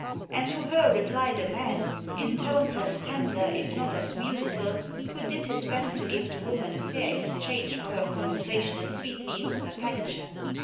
And to her replied a man, in tones as tender if not as musical, who did his best to give the woman a fair exchange for her conversational sweetmeats of affection.